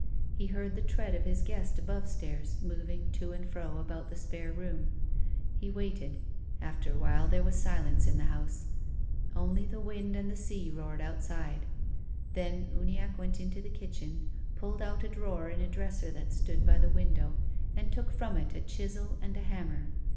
He heard the tread of his guest above stairs, moving to and fro about the spare room. He waited. After a while there was silence in the house. Only the wind and the 50 TONGUES OF CONSCIENCE. sea roared outside. Then Uniacke went into the kitchen, pulled out a drawer in a dresser that stood by the window, and took from it a chisel and a hammer.